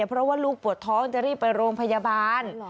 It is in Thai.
เพราะว่าลูกปวดท้องจะรีบไปโรงพยาบาล